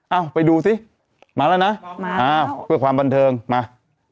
เอาไปดูสิมาแล้วนะมาอ้าวเพื่อความบันเทิงมา